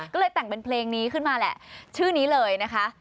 ก็เลยแต่งเป็นเพลงนี้ขึ้นมาแหละชื่อนี้เลยนะคะ